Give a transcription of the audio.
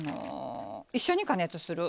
一緒に加熱する。